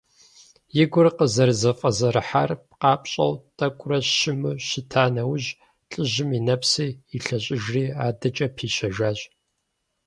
И гур къызэрызэфӀэзэрыхьар къапщӀэу, тӀэкӀурэ щыму щыта нэужь, лӀыжьым и нэпсыр илъэщӀыжри, адэкӀэ пищэжащ.